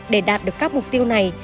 để đạt được các mục tiêu này